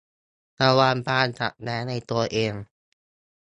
ระวังความขัดแย้งในตัวเอง